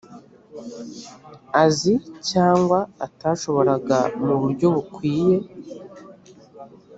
azi cyangwa atashoboraga mu buryo bukwiye